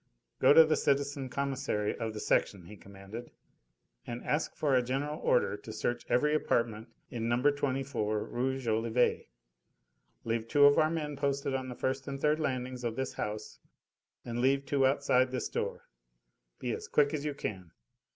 "Go to the citizen Commissary of the Section," he commanded, "and ask for a general order to search every apartment in No. 24 Rue Jolivet. Leave two of our men posted on the first and third landings of this house and leave two outside this door. Be as quick as you can.